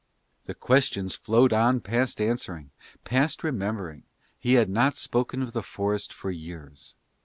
The questions flowed on past answering, past remembering: he had not spoken of the forest for years.